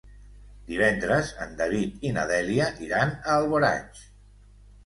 Divendres en David i na Dèlia iran a Alboraig.